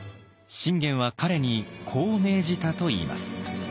信玄は彼にこう命じたといいます。